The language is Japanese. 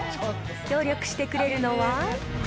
協力してくれるのは。